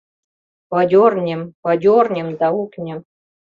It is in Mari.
Подернём, подернём да ухнём!..